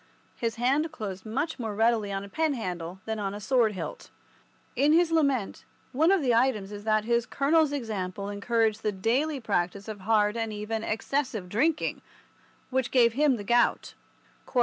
His hand closed much more readily on a pen handle than on a sword hilt. In his lament, one of the items is that his colonel's example encouraged the daily practice of hard and even excessive drinking, which gave him the gout.